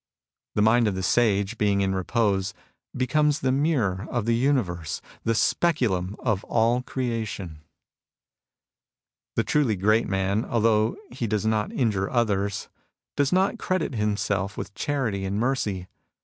The mind of the Sage, being in repose, becomes the mirror of the universe, the speculum of all creation. The truly great man, although he does not injure others, does not credit himself with charity and mercy.